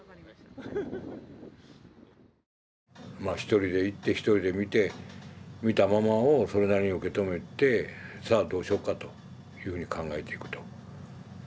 まあ一人で行って一人で見て見たままをそれなりに受け止めてさあどうしようかというふうに考えていくと。